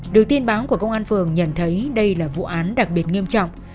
được tin báo của công an phường nhận thấy đây là vụ án đặc biệt nghiêm trọng